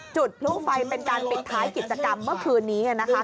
จุดพลุไฟเป็นการปิดท้ายกิจกรรมเมื่อคืนนี้